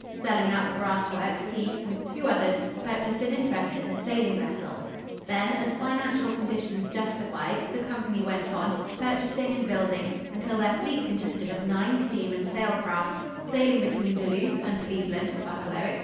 Selling out the brass works, he, with two others, purchased an interest in a sailing vessel. Then as financial conditions justified, the company went on, purchasing and building, until their fleet consisted of nine steam and sail crafts, sailing between Duluth and Cleveland, Buffalo, etc.